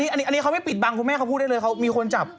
อันนี้เขาไม่ปิดบังคุณแม่เขาพูดได้เลยเขามีคนจับ